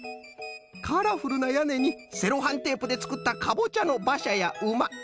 カラフルなやねにセロハンテープでつくったかぼちゃのばしゃやうま！